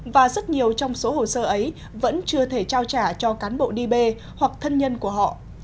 và rất nhiều trong số hồ sơ ấy vẫn chưa thể trao trả cho cán bộ đi bê hoặc thân nhân của họ